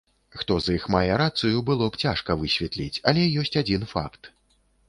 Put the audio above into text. Хто з іх мае рацыю, было б цяжка высветліць, але ёсць адзін факт.